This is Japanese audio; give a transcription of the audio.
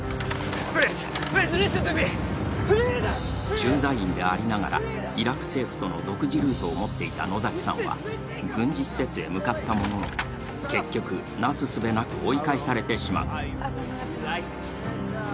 駐在員でありながら、イラク政府との独自ルートを持っていた野崎さんは軍事施設へ向かったものの、結局、なすすべなく追い返されてしまう。